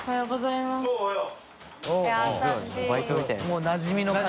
もうなじみの感じ。